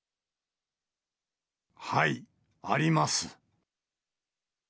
はい、あります。